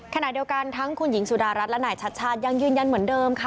ขณะเดียวกันทั้งคุณหญิงสุดารัฐและนายชัดชาติยังยืนยันเหมือนเดิมค่ะ